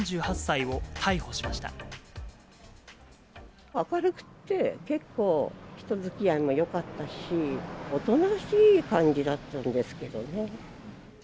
３８歳を逮捕し明るくって、結構、人づきあいもよかったし、おとなしい感じだったんですけどね。